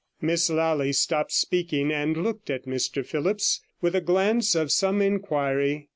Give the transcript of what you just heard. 81 Miss Lally stopped speaking, and looked at Mr Phillipps, with a glance of some inquiry.